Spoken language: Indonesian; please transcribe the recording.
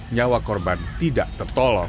nyawa korban tidak tertolong